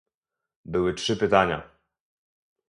Były trzy pytania